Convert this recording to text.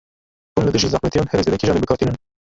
Hûn li dijî zehmetiyan, herî zêde kîjanê bi kar tînin?